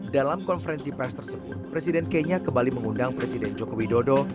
dalam konferensi pers tersebut presiden kenya kembali mengundang presiden joko widodo